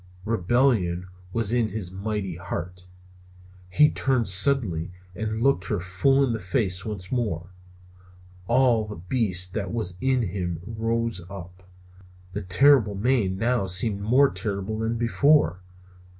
Rebellion was in his mighty heart. He turned suddenly and looked her full in the face once more. All the beast that was in him rose up. The terrible mane now seemed more terrible than before.